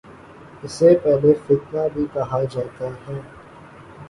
اسے پہلا فتنہ بھی کہا جاتا ہے